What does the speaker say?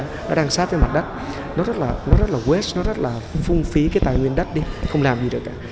nó đang sát trên mặt đất nó rất là quét nó rất là phung phí cái tài nguyên đất đi không làm gì được cả